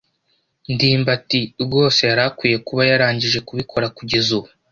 ndimbati rwose yari akwiye kuba yarangije kubikora kugeza ubu.